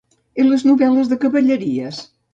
I les novel·les de cavalleries?